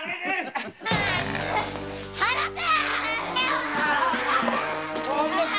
離せ！